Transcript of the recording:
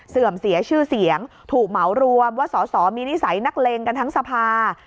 เสื่อมเสียชื่อเสียงถูกเหมารวมว่าสอสอมีนิสัยนักเลงกันทั้งสภา